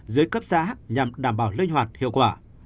dưới cấp xã nhằm đảm bảo linh hoạt hiệu quả